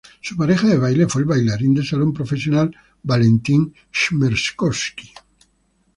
Su pareja de baile fue el bailarín de salón profesional Valentin Chmerkovskiy.